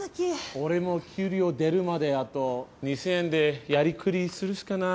俺も給料出るまであと２０００円でやりくりするしかない。